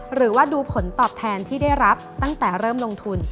หรือว่าดูผลตอบแทนที่ได้รับตั้งแต่เริ่มลงทุน